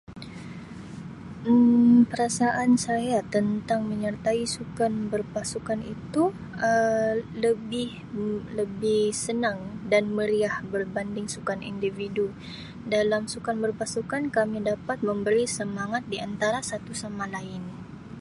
Um Perasaan saya tentang menyertai sukan berpasukan itu Um lebih Um lebih senang dan meriah berbanding sukan individu, dalam sukan berpasukan kami dapat memberi semangat di antara satu sama lain.